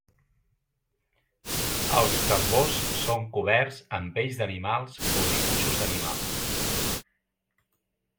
Els tambors són coberts amb pells d'animals o dibuixos d'animals.